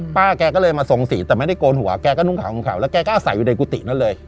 แกก็เลยมาทรงสีแต่ไม่ได้โกนหัวแกก็นุ่งขาวของเขาแล้วแกก็อาศัยอยู่ในกุฏินั่นเลย